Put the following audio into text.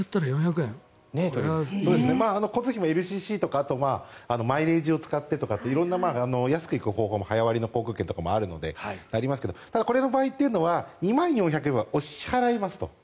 交通費もＬＣＣとかあとはマイレージを使ったり色んな安く行く方法も早割の航空券とかもありますがただ、この場合は２万４００円は支払いますと。